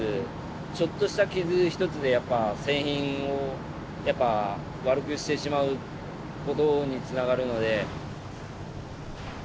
ちょっとした傷一つでやっぱ製品をやっぱ悪くしてしまうことにつながるので。